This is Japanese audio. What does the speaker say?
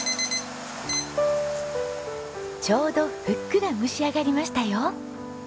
ちょうどふっくら蒸し上がりましたよ。